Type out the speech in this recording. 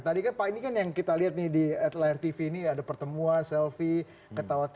tadi kan pak ini kan yang kita lihat nih di layar tv nih ada pertemuan selfie ketawa tv makan opor mungkin bahagia gitu ya